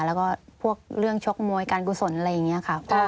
แล้วก็พวกเรื่องชกมวยการกุศลอะไรอย่างนี้ค่ะ